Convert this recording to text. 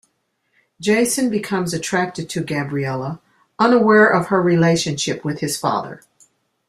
Jason becomes attracted to Gabriela, unaware of her relationship with his father.